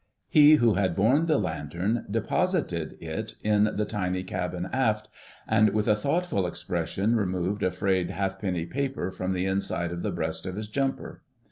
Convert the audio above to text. He who had borne the lantern deposited it in the tiny cabin aft, and with a thoughtful expression removed a frayed halfpenny paper from the inside of the breast of his jumper.